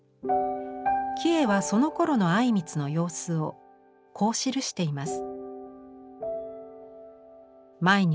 キヱはそのころの靉光の様子をこう記しています。